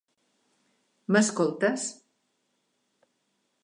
M'escoltes?